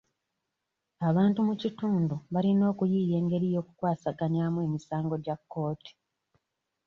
Abantu mu kitundu balina okuyiiya engeri y'okukwasaganyamu emisango gya kkooti.